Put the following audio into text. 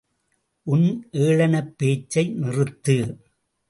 உன் ஏளனப் பேச்சை நிறுத்து.